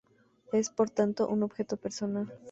Es, por tanto, un objeto personal.